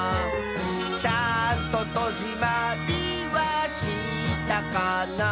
「ちゃんととじまりはしたかな」